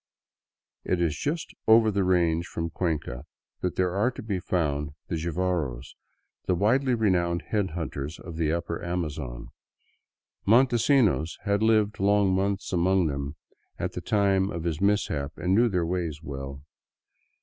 It is just over the range from Cuenca that are to be found the Jivaros, the widely renowned head hunters of the upper Amazon. Montesinos had lived long months among them at the time of his mis hap, and knew their ways well.